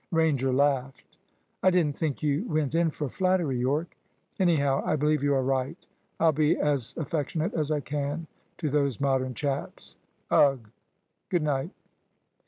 Ranger laughed. "I didn't think you went in for flattery, Yorke. Anyhow, I believe you are right. I'll be as affectionate as I can to those Modern chaps. Ugh! good night."